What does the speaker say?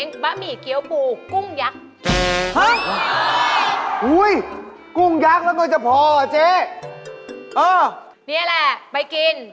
นี่แหละไปกิน